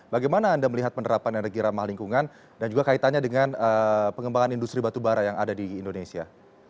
bagaimana anda melihat penerapan energi ramah lingkungan dan juga kaitannya dengan pengembangan industri batubara yang ada di indonesia